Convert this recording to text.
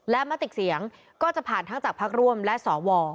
และมติเสียงก็จะผ่านทั้งจากพักร่วมและสว